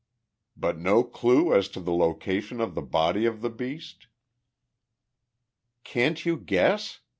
"But no clue as to the location of the body of the beast?" "Can't you guess?